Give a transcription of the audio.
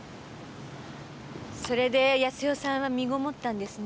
それで康代さんは身ごもったんですね？